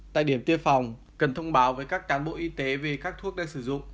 tại điểm tiêm phòng cần thông báo với các cán bộ y tế về các thuốc đang sử dụng